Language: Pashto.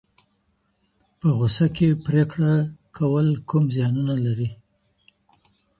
په غوسه کي پرېکړه کول کوم زيانونه لري؟